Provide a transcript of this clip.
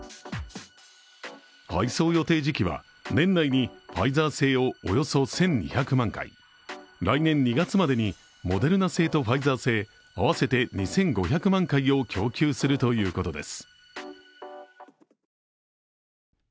配送予定時期は、年内にファイザー製をおよそ１２００万回来年２月までにモデルナ製とファイザー製合わせて２５００万回を供給するということです。